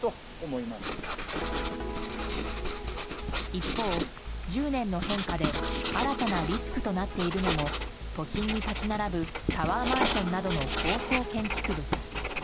一方、１０年の変化で新たなリスクとなっているのも都心に立ち並ぶタワーマンションなどの高層建築物。